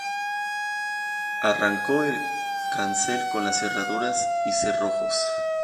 Arrancó el cancel con las cerraduras y cerrojos.